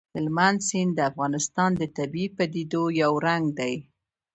هلمند سیند د افغانستان د طبیعي پدیدو یو رنګ دی.